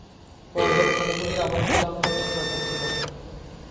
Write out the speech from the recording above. পর্যালোচনাগুলি আবার সাধারণভাবে ইতিবাচক ছিল।